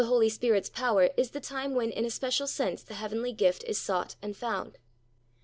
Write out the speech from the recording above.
Holy Spirit's power is the time when in a special sense the heavenly gift is sought and found.